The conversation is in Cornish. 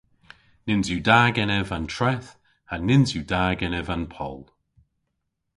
Nyns yw da genev an treth, ha nyns yw da genev an poll.